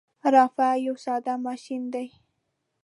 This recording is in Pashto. رافعه یو ساده ماشین دی.